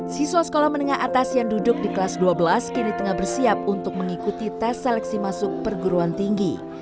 siswa sekolah menengah atas yang duduk di kelas dua belas kini tengah bersiap untuk mengikuti tes seleksi masuk perguruan tinggi